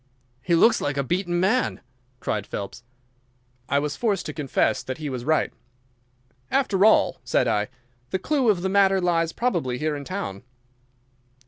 "He looks like a beaten man," cried Phelps. I was forced to confess that he was right. "After all," said I, "the clue of the matter lies probably here in town."